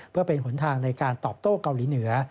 เพื่อเป็นหนทางในการตอบโต้เกาหลีเหนือ